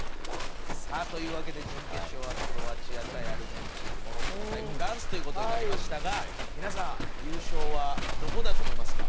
というわけで、準決勝はクロアチア対アルゼンチンモロッコ対フランスとなりましたが皆さん、優勝はどこだと思いますか？